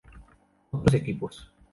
Otros equipos